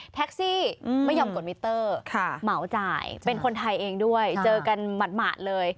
แท็กซี่ไม่ยอมกดมิเตอร์เหมาจ่ายเป็นคนไทยเองด้วยเจอกันหมาดเลย